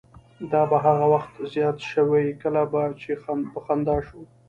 دا به هغه وخت زیاتې شوې کله به چې په خندا شو.